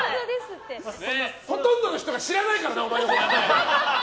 ほとんどの人が知らないからなお前のこと！